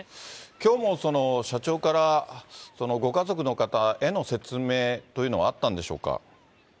きょうも社長から、そのご家族の方への説明というのはあったんでしょうか。